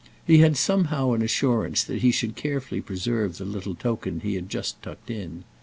He had somehow an assurance that he should carefully preserve the little token he had just tucked in.